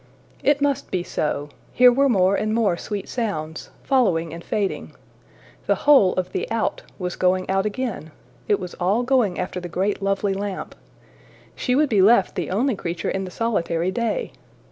It must be so: here were more and more sweet sounds, following and fading! The whole of the Out was going out again; it was all going after the great lovely lamp! She would be left the only creature in the solitary day!